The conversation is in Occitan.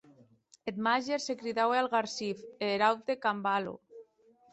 Eth màger se cridaue Algarsif, e er aute, Cambalo.